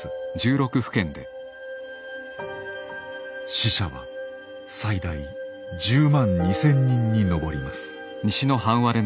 死者は最大１０万２，０００人に上ります。